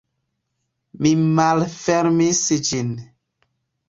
Mi malfermis ĝin.